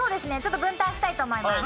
分担したいと思います。